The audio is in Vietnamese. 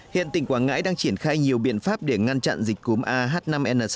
hiện tỉnh quảng ngãi đang triển khai nhiều biện pháp để ngăn chặn dịch cúm ah năm n sáu